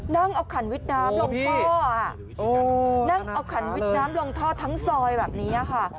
นั่งเอาขันวิดน้ำลงท่อนั่งเอาขันวิดน้ำลงท่อทั้งซอยแบบนี้ค่ะ